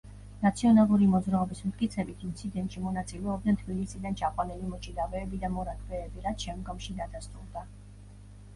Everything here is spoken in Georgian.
ნაციონალური მოძრაობის მტკიცებით, ინციდენტში მონაწილეობდნენ თბილისიდან ჩაყვანილი მოჭიდავეები და მორაგბეები, რაც შემდგომში დადასტურდა.